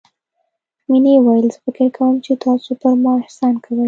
مينې وويل زه فکر کوم چې تاسو پر ما احسان کوئ.